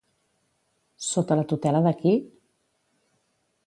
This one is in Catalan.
Sota la tutela de qui?